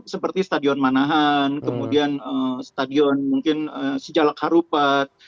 seperti stadion manahan kemudian stadion mungkin sejalak harupat